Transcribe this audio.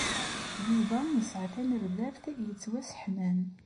Yuba yesɛa tanerdabt yettwasseḥman.